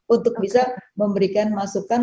untuk bisa memberikan masukan